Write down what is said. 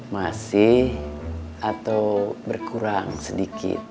masih atau berkurang sedikit